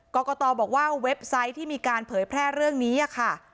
กรกตบอกว่าเว็บไซต์ที่มีการเผยแพร่เรื่องนี้ค่ะ